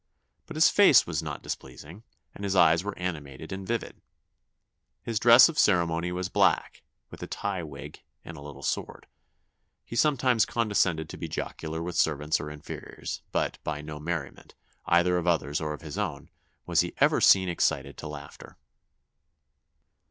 But his face was not displeasing, and his eyes were animated and vivid.... His dress of ceremony was black, with a tie wig and a little sword.... He sometimes condescended to be jocular with servants or inferiors; but by no merriment, either of others or of his own, was he ever seen excited to laughter."